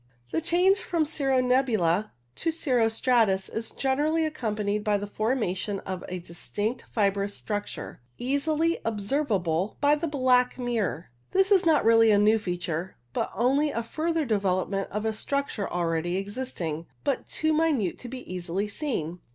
The change from cirro nebula to cirro stratus is generally accompanied by the formation of a distinct fibrous structure, easily observable by the black mirror. This is not really a new feature, but only a further development of a structure already existing, but too minute to be easily seen.